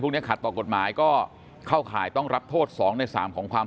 ขัดต่อกฎหมายก็เข้าข่ายต้องรับโทษ๒ใน๓ของความ